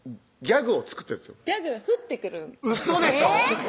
ギャグが降ってくるウソでしょ？